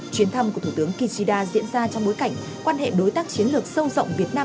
chuyến thăm của thủ tướng kishida diễn ra trong bối cảnh quan hệ đối tác chiến lược sâu rộng việt nam